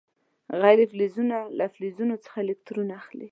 غیر فلزونه له فلزونو څخه الکترون اخلي.